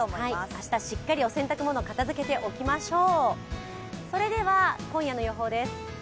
明日、しっかりお洗濯物を片づけておきましょう。